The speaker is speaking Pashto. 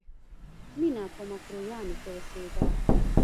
مینه په مکروریانو کې اوسېده